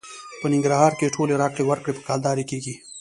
په ننګرهار کې ټولې راکړې ورکړې په کلدارې کېږي.